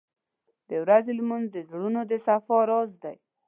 • د ورځې لمونځ د زړونو د صفا راز دی.